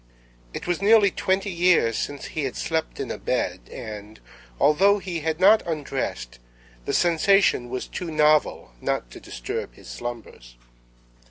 It was nearly twenty years since he had slept in a bed, and, although he had not undressed, the sensation was too novel not to disturb his slumbers.